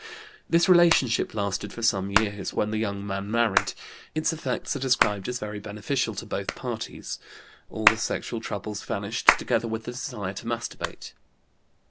This relationship lasted for some years, when the young man married; its effects are described as very beneficial to both parties; all the sexual troubles vanished, together with the desire to masturbate.